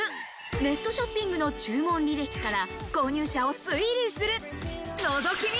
ネットショッピングの注文履歴から購入者を推理する、のぞき見！